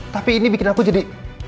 tapi ini bikin aku jadi